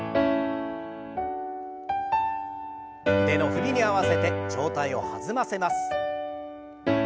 腕の振りに合わせて上体を弾ませます。